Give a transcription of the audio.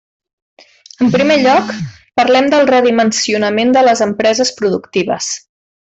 En primer lloc, parlem del redimensionament de les empreses productives.